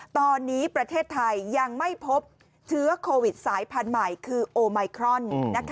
ตอนนี้ประเทศไทยยังไม่พบเชื้อโควิดสายพันธุ์ใหม่คือโอไมครอน